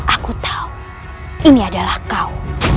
aku tahu ini adalah kau